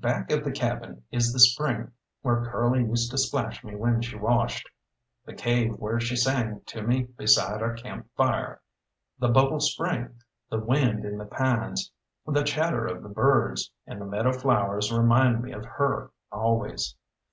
Back of the cabin is the spring where Curly used to splash me when she washed, the cave where she sang to me beside our camp fire. The bubble spring, the wind in the pines, the chatter of the birds, and the meadow flowers remind me of her always.